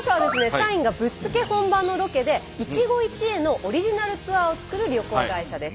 社員がぶっつけ本番のロケで一期一会のオリジナルツアーを作る旅行会社です。